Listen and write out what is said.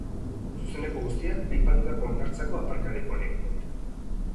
Zuzeneko guztiak aipatutako hondartzako aparkalekuan egingo dira.